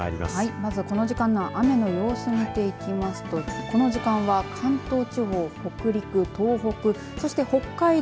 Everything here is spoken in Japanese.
まずこの時間の雨の様子、見ていきますとこの時間は関東地方、北陸、東北そして、北海道